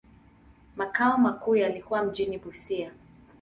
Makao makuu yalikuwa mjini Busia.